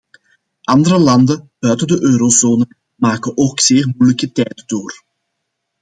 Andere landen buiten de eurozone maken ook zeer moeilijke tijden door.